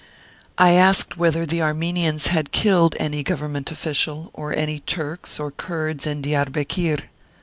I asked whether the Armenians had killed any Government official, or any Turks or Kurds in Diar bekir.